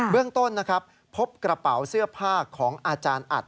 เรื่องต้นนะครับพบกระเป๋าเสื้อผ้าของอาจารย์อัด